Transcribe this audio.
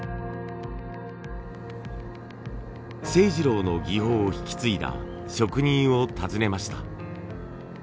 晴二郎の技法を引き継いだ職人を訪ねました。